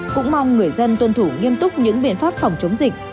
cũng mong người dân tuân thủ nghiêm túc những biện pháp phòng chống dịch